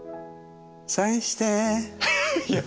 サインして！